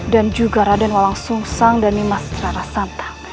dan juga raden walang sungsang dan nyimah selera santang